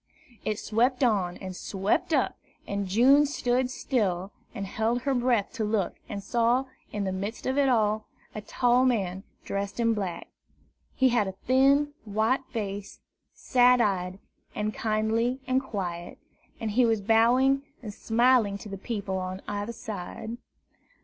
It swept on, and it swept up, and June stood still, and held her breath to look, and saw, in the midst of it all, a tall man dressed in black. He had a thin, white face, sad eyed and kindly and quiet, and he was bowing and smiling to the people on either side.